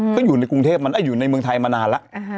ก็อยู่ในกรุงเทพมันอยู่ในเมืองไทยมานานแล้ว